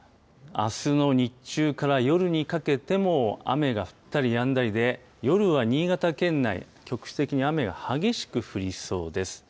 あすの日中から夜にかけても雨が降ったりやんだりで、夜は新潟県内、局地的に雨が激しく降りそうです。